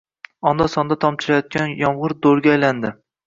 Onda-sonda tomchilayotgan yomg‘ir do‘lga aylandi.